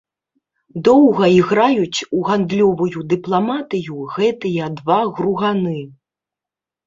Доўга іграюць у гандлёвую дыпламатыю гэтыя два груганы.